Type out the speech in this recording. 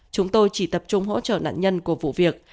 chúng tôi chỉ tập trung hỗ trợ nạn nhân của vụ việc